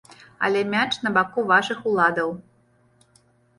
Але мяч на баку вашых уладаў.